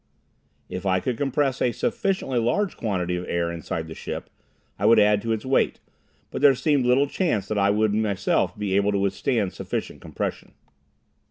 If I could compress a sufficiently large quantity of air inside the craft, I would add to its weight. But there seemed little chance that I would myself be able to withstand sufficient compression.